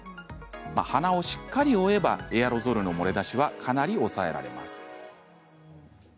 鼻をしっかり覆えばエアロゾルの漏れ出しはかなり抑えられます。